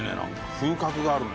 風格があるね。